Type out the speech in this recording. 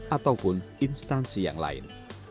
ataupun instansi yang lain